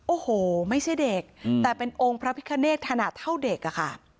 โอ้โหไม่ใช่เด็กแต่เป็นองค์พระพิคเนธขนาดเท่าเด็กอะค่ะ